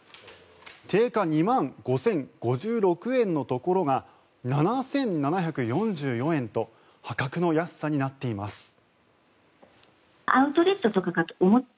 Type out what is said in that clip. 定価２万５０５６円のところが７７４４円と破格の安さになっています。